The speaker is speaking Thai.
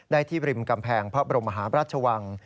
ได้ที่ริมกำแพงพระบรมหาราชวัง